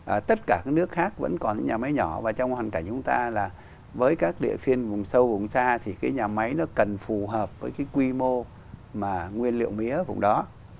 ở tất cả các nước khác vẫn còn những nhà máy nhỏ và trong hoàn cảnh chúng ta là với các địa phiên vùng sâu vùng xa thì cái nhà máy nó cần phù hợp với cái quy mô mà nguyên liệu mía vùng đó